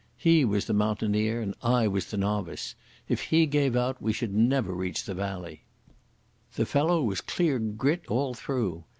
He was the mountaineer, and I the novice. If he gave out, we should never reach the valley. The fellow was clear grit all through.